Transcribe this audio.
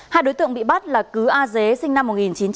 hai đối tượng bị bắt là cứ a dế sinh năm một nghìn chín trăm tám mươi